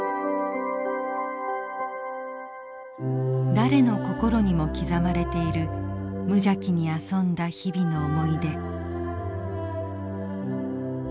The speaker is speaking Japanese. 誰の心にも刻まれている無邪気に遊んだ日々の思い出。